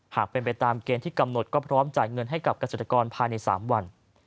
หากเป็นไปตามเกณฑ์ที่กำหนดก็พร้อมจ่ายเงินให้กับเกษตรกรภายใน๓วัน